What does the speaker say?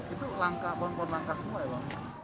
itu pohon pohon langka semua ya bang